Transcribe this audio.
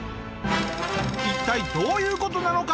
一体どういう事なのか？